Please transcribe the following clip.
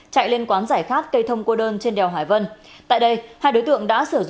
chạy lên quán giải khát cây thông cô đơn trên đèo hải vân